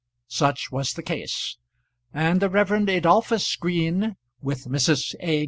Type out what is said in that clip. Such was the case, and the Rev. Adolphus Green, with Mrs. A.